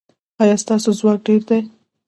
ایا ستاسو ځواک ډیر دی؟